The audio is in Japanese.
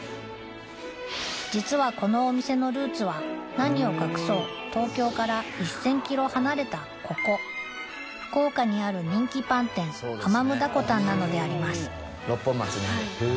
実はこのお店のルーツは何を隠そう東京から１，０００ｋｍ離れたここ福岡にある人気パン店アマムダコタンなのであります